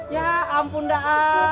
ya ampun dah